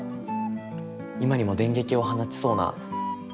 今にも電撃を放ちそうな。